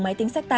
và vô tignant